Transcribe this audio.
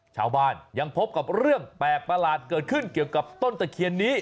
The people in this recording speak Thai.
ชาวบ้านยังพบกับเรื่องแปลกประหลาดเกิดขึ้นเกี่ยวกับต้นตะเคียนนี้